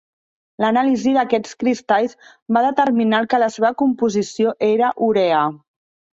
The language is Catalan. L'anàlisi d'aquests cristalls va determinar que la seva composició era urea.